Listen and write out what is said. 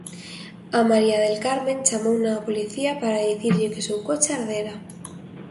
A María del Carmen chamouna a policía para dicirlle que o seu coche ardera.